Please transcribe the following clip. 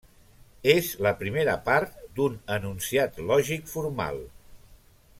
És la primera part d'un enunciat lògic formal.